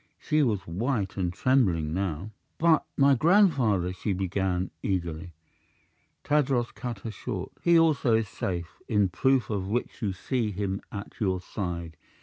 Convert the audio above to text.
She was white and trembling now. "But my grandfather " she began, eagerly. Tadros cut her short. "He also is safe, in proof of which you see him at your side.